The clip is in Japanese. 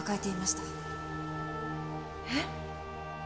えっ？